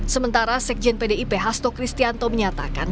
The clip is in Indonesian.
sementara sekjen pdip hasto kristianto menyatakan